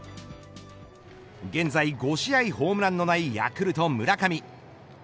現在５試合ホームランのないヤクルト村上。